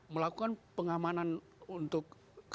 melakukan pengamanan untuk